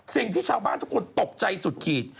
สิ่งที่ชาวบ้านทุกคนตกใจสุดขีด